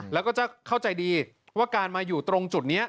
แล้วก็จะเข้าใจดีว่าการมาอยู่ตรงจุดนี้